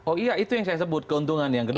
oh iya itu yang saya sebut keuntungan yang kedua